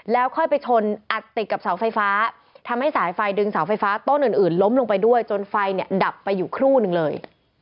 แล้วค่อยไปชนอัดติดกับเสาไฟฟ้าทำให้สายไฟดึงเสาไฟฟ้าต้นอื่นล้มลงไปด้วยจนไฟเนี่ยดับไปอยู่ครู่นึงเลย